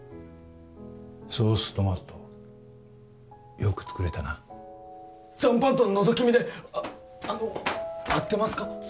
ソーストマットよく作れたな残飯とのぞき見であの合ってますか？